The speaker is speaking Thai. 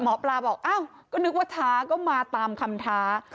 หมอปลาบอกว่าก็มาตามคำท้า